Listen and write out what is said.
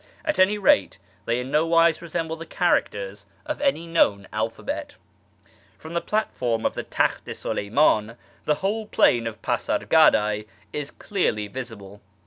At any rate, they in no wise resemble the characters of any known alphabet. From the platform of the Takht i Suleymdn the whole plain of Pasargadae is clearly visible.